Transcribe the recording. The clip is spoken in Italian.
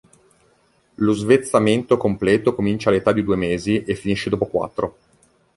Lo svezzamento completo comincia all'età di due mesi, e finisce dopo quattro.